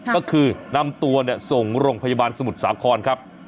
ก็คือนำตัวส่งโรงพยาบาลสมุทรสาครครับ